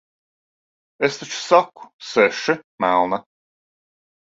Es taču saku - seši, melna.